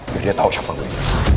biar dia tau siapa gue